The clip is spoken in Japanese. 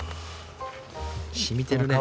しみてるね。